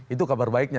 itu kabar baiknya